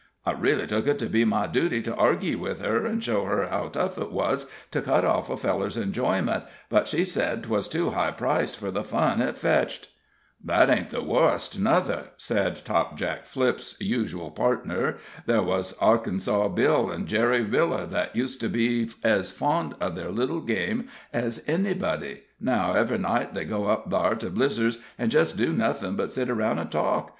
I reely tuk it to be my duty to argy with her, an' show her how tough it wuz to cut off a feller's enjoyment; but she sed 'twas too high priced fur the fun it fetched." "That ain't the wust, nuther," said Topjack Flipp's usual partner. "There wuz Arkansas Bill an' Jerry Miller, thet used to be ez fond of ther little game ez anybody. Now, ev'ry night they go up thar to Blizzer's, an' jest do nothin' but sit aroun' an' talk.